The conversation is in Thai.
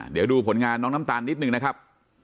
เดี๋ยวดูผลงานน้องน้ำตาลนิดนึงนะครับ